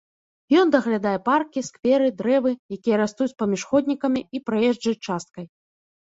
Ён даглядае паркі, скверы, дрэвы, якія растуць паміж ходнікамі і праезджай часткай.